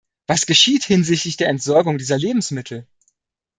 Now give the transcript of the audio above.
Was geschieht hinsichtlich der Entsorgung dieser Lebensmittel?